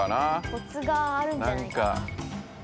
コツがあるんじゃないかな。